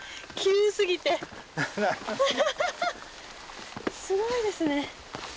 すごいですね。